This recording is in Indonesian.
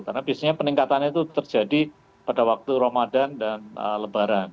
karena biasanya peningkatannya itu terjadi pada waktu ramadan dan lebaran